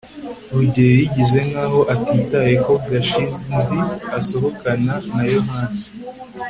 rugeyo yigize nkaho atitaye ko gashinzi asohokana na yohana